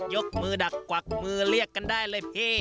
ยกมือดักกวักมือเรียกกันได้เลยพี่